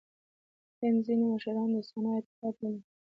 هند ځیني مشران دوستانه اتحاد ولري.